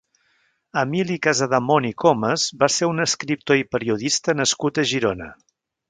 Emili Casademont i Comas va ser un escriptor i periodista nascut a Girona.